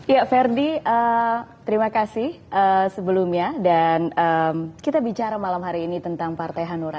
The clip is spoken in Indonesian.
ya ferdi terima kasih sebelumnya dan kita bicara malam hari ini tentang partai hanura